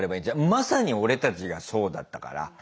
まさに俺たちがそうだったから。